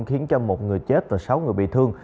khiến cho một người chết và sáu người bị thương